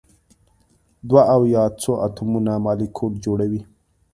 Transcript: دوه او یا څو اتومونه مالیکول جوړوي.